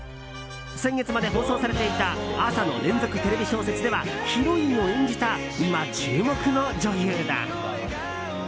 先月まで放送されていた朝の連続テレビ小説ではヒロインを演じた今注目の女優だ。